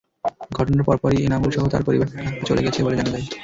ঘটনার পরপরই এনামুলসহ তাঁর পরিবার ঢাকা চলে গেছেন বলে জানা গেছে।